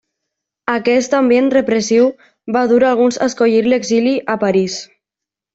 Aquest ambient repressiu va dur alguns a escollir l'exili a París.